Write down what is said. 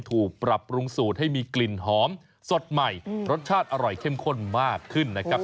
ถูกปรับปรุงสูตรให้มีกลิ่นหอมสดใหม่รสชาติอร่อยเข้มข้นมากขึ้นนะครับ